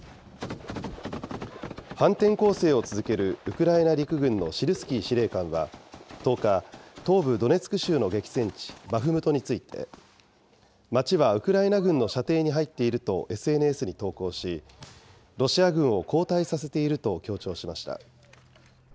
反転攻勢を続けるウクライナ陸軍のシルスキー司令官は１０日、東部ドネツク州の激戦地バフムトについて、街はウクライナ軍の射程に入っているとＳＮＳに投稿し、ロシア軍を後退させていると強調しました。